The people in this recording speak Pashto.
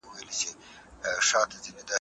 زه په ورزش کولو اخته یم.